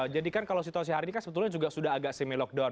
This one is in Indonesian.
jadi kan kalau situasi hari ini kan sebetulnya sudah agak semi lockdown